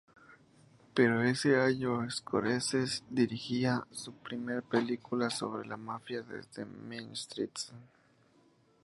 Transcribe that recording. Pero ese año Scorsese dirigiría su primera película sobre la mafia desde "Mean Streets".